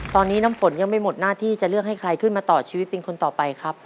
ตอนนี้น้ำฝนยังไม่หมดหน้าที่จะเลือกให้ใครขึ้นมาต่อชีวิตเป็นคนต่อไปครับ